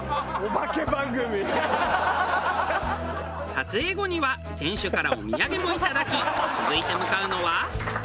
撮影後には店主からお土産もいただき続いて向かうのは。